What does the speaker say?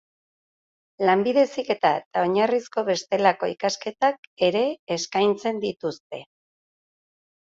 Lanbide Heziketa eta oinarrizko bestelako ikasketak ere eskaintzen dituzte.